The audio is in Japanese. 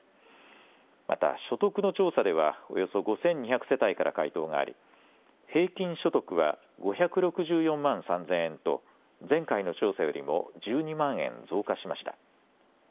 また所得の調査ではおよそ５２００世帯から回答があり平均所得は５６４万３０００円と前回の調査よりも１２万円、増加しました。